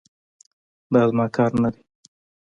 دا زما کار نه دی.